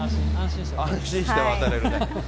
安心して渡れるね。